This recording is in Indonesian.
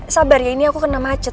sabar ya ini aku kena macet